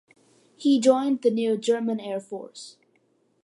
He joined the new German Air Force.